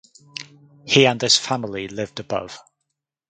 He and his family lived above.